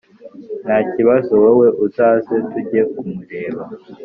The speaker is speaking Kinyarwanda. Ntakibazo wowe uzaze tujye kumureba